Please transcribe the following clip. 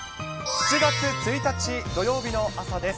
７月１日土曜日の朝です。